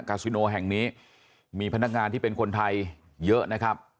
กาซิโนแห่งนี้มีพนักงานที่เป็นคนไทยเยอะนะครับ